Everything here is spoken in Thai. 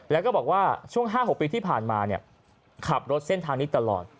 แล้วก็บอกว่าช่วง๕๖ปีที่ผ่านมาขับรถเส้นทางนี้ตลอด